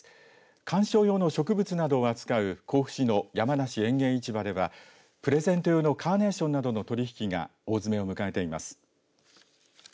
観賞用の植物などを扱う甲府市の山梨園芸市場ではプレゼント用のカーネーションなどの取引が大詰めを迎えています。